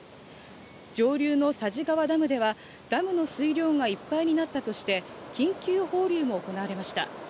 上流の佐治川ダムではダムの水量がいっぱいになったとして緊急放流も行われました。